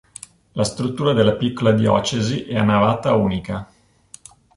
La struttura della piccola diocesi è a navata unica.